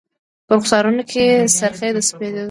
په رخسارونو کي سر خې د سپید و